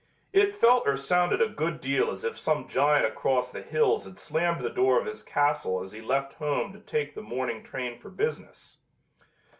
It felt or sounded a good deal as if some giant across the hills had slammed the door of his castle as he left home to take the morning train for business.